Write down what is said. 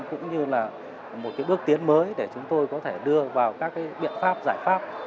cũng như là một bước tiến mới để chúng tôi có thể đưa vào các biện pháp giải pháp